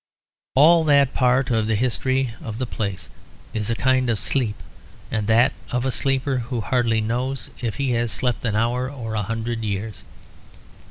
All that part of the history of the place is a kind of sleep; and that of a sleeper who hardly knows if he has slept an hour or a hundred years.